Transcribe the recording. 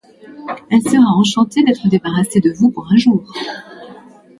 Elle sera enchantée d’être débarrassée de vous pour un jour.